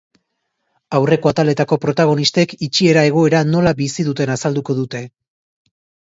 Aurreko ataletako protagonistek itxiera egoera nola bizi duten azalduko dute.